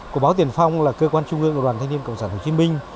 của báo tiền phong là cơ quan trung ương của đoàn thanh niên cộng sản hồ chí minh